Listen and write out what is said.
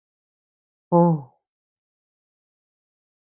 Joo.